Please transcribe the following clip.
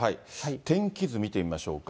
天気図見てみましょうか。